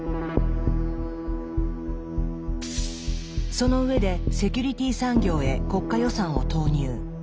その上でセキュリティ産業へ国家予算を投入。